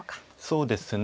そうですね